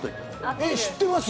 えっ知ってます？